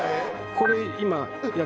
これ今。